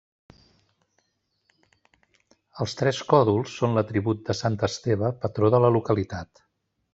Els tres còdols són l'atribut de sant Esteve, patró de la localitat.